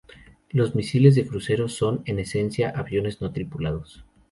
Los misiles de crucero son, en esencia, aviones no tripulados.